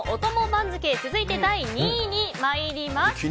番付続いて、第２位に参ります。